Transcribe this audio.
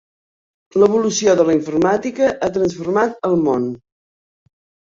L'evolució de la informàtica ha transformat el món.